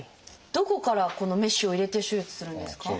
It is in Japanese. どこからこのメッシュを入れて手術するんですか？